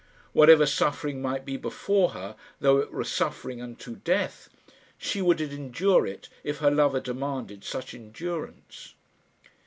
Whatever suffering might be before her, though it were suffering unto death, she would endure it if her lover demanded such endurance.